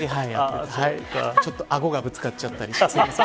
あごがぶつかっちゃったりして。